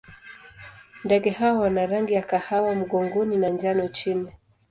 Ndege hawa wana rangi ya kahawa mgongoni na njano chini.